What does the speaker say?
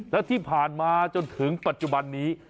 และที่ผ่านมาจนถึงปัจจุบันนี้